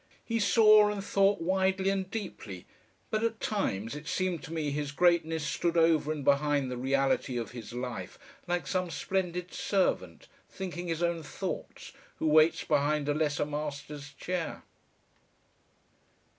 He saw and thought widely and deeply; but at times it seemed to me his greatness stood over and behind the reality of his life, like some splendid servant, thinking his own thoughts, who waits behind a lesser master's chair....